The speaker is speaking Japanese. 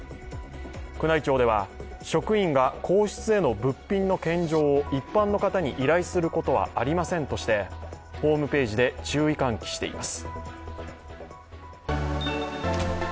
宮内庁では職員が皇室への物品の献上を一般の方に依頼することはありませんとして、ホームページで注意喚起しています。